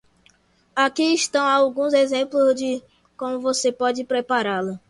Aqui estão alguns exemplos de como você pode prepará-la: